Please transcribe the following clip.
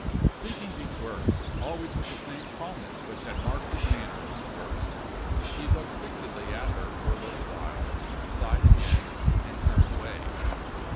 Speaking these words, always with the same calmness which had marked his manner from the first, he looked fixedly at her for a little while, sighed again, and turned away.